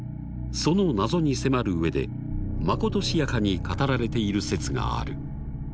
その謎に迫る上でまことしやかに語られている説がある。